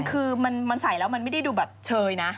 คือมันใส่แล้วมันไม่ได้ดูแบบเชยนะ